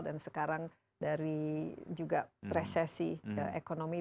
dan sekarang dari juga resesi ekonomi